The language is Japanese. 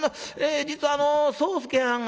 実はあの宗助はんが」。